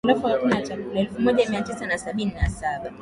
elfu moja mia tisa na sabini na saba